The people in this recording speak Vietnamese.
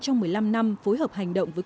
trong một mươi năm năm phối hợp hành động với